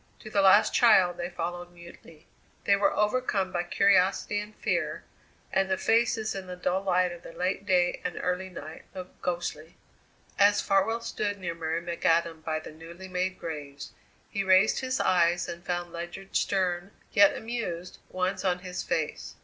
To the last child they followed mutely. They were overcome by curiosity and fear, and the faces in the dull light of the late day and early night looked ghostly. As Farwell stood near Mary McAdam by the newly made graves, he raised his eyes and found Ledyard's stern, yet amused, ones on his face.